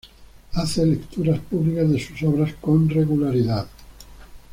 Hace lecturas públicas de sus obras con regularidad.